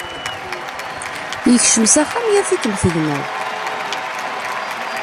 Yekcem s axxam yaf-ikem tegneḍ.